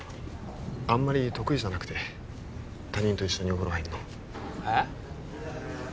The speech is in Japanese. あんまり得意じゃなくて他人と一緒にお風呂入るのえっ？